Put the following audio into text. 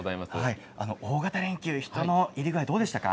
大型連休、人の入り具合はいかがでしたか？